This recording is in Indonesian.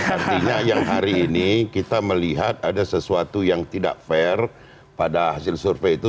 artinya yang hari ini kita melihat ada sesuatu yang tidak fair pada hasil survei itu